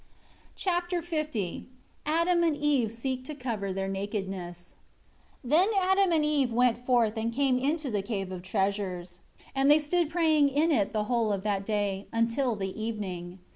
Chapter L Adam and Eve seek to cover their nakedness. 1 Then Adam and Eve went forth and came into the Cave of Treasures, and they stood praying in it the whole of that day, until the evening.